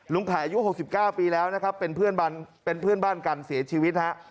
ลุงไข่อายุ๖๙ปีแล้วนะครับเป็นเพื่อนบ้านกันเสียชีวิต